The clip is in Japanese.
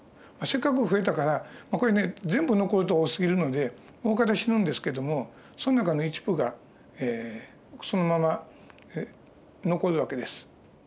せっかく増えたからこれね全部残ると多すぎるのでおおかた死ぬんですけどもその中の一部がそのまま残る訳です。